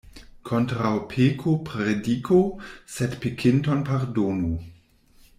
Kontraŭ peko prediku, sed pekinton pardonu.